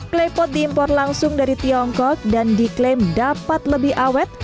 klepot diimpor langsung dari tiongkok dan diklaim dapat lebih awet